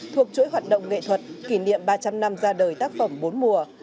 thuộc chuỗi hoạt động nghệ thuật kỷ niệm ba trăm linh năm ra đời tác phẩm bốn mùa